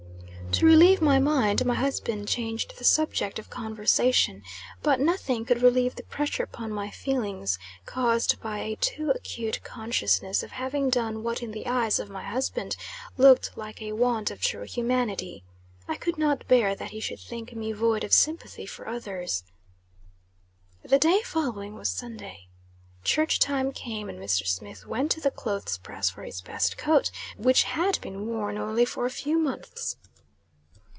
To relieve my mind, my husband changed the subject of conversation; but, nothing could relieve the pressure upon my feelings, caused by a too acute consciousness of having done what in the eyes of my husband, looked like a want of true humanity. I could not bear that he should think me void of sympathy for others. The day following was Sunday. Church time came, and Mr. Smith went to the clothes press for his best coat, which had been worn only for a few months.